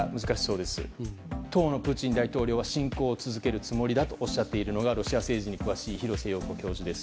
当のプーチン大統領では侵攻を続けるつもりだとおっしゃるのはロシア政治に詳しい廣瀬陽子教授です。